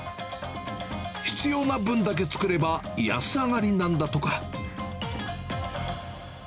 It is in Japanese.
必要な分だけ作れば安上がりなんだとか。